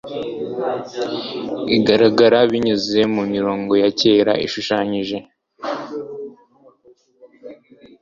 igaragara binyuze mumirongo ya kera yashushanyije